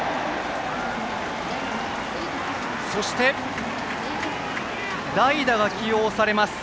そして代打が起用されます。